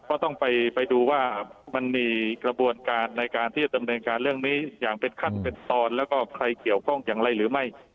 ก็ต้องไปดูว่ามันมีกระบวนการในการที่จะดำเนินการเรื่องนี้อย่างเป็นขั้นเป็นตอนแล้วก็ใครเกี่ยวข้องอย่างไรหรือไม่